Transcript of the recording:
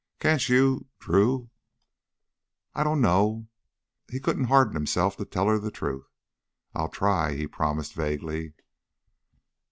Can't you ... Drew?" "I don't know." He couldn't harden himself to tell her the truth. "I'll try," he promised vaguely.